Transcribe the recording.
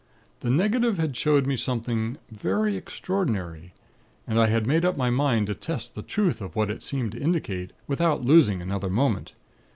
"The negative had showed me something very extraordinary, and I had made up my mind to test the truth of what it seemed to indicate, without losing another moment.